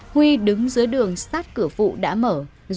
huy đứng dưới đường sát cửa phụ đã mở